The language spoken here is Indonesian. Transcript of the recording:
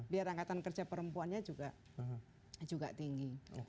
biar angkatan kerja perempuannya juga tinggi